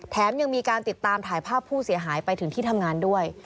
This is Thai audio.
ยังมีการติดตามถ่ายภาพผู้เสียหายไปถึงที่ทำงานด้วย